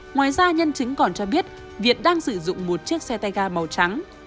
ngoài ra nhân chứng còn cho biết việt đang sử dụng một chiếc xe tay ga màu trắng